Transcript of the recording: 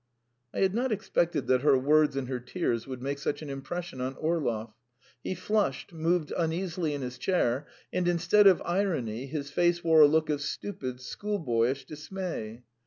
I had not expected that her words and her tears would make such an impression on Orlov. He flushed, moved uneasily in his chair, and instead of irony, his face wore a look of stupid, schoolboyish dismay.